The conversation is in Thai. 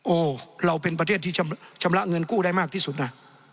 เราเป็นประเทศที่ชำระเงินกู้ได้มากที่สุดนะ